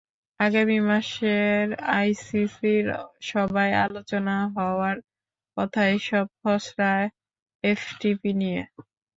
আগামী মাসের আইসিসির সভায় আলোচনা হওয়ার কথা এসব খসড়া এফটিপি নিয়ে।